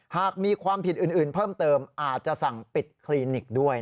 หากมีความผิดอื่นเพิ่มเติมอาจจะสั่งปิดคลินิกด้วย